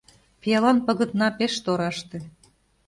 Пиалан пагытна пеш тораште.